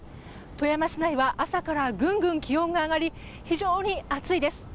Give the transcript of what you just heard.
富山市内は朝からぐんぐん気温が上がり非常に暑いです。